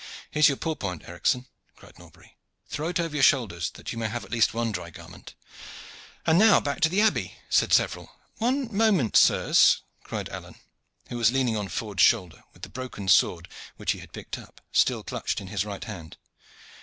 "Here is your pourpoint, Edricson," cried Norbury. "Throw it over your shoulders, that you may have at least one dry garment." "And now away back to the abbey!" said several. "One moment, sirs," cried Alleyne, who was leaning on Ford's shoulder, with the broken sword, which he had picked up, still clutched in his right hand.